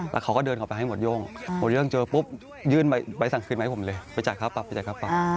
แล้วเขาก็เดินเข้าไปให้หมดโย่งหมดโย่งเจอปุ๊บยื่นใบสั่งคืนมาให้ผมเลยไปจ่ายค่าปรับไปจ่ายค่าปรับ